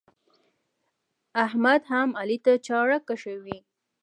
احمد هم علي ته چاړه کښوي.